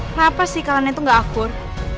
kenapa sih kalian itu gak akur